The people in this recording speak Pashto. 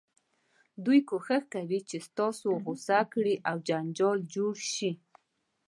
دوی کوښښ کوي چې تاسو غوسه کړي او جنجال جوړ شي.